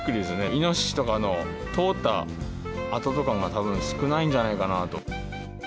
イノシシとかの通った跡とかも、たぶん少ないんじゃないかなと。